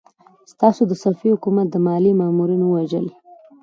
تاسو د صفوي حکومت د ماليې مامورين ووژل!